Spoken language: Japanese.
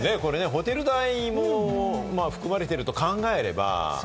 ホテル代も含まれてると考えれば。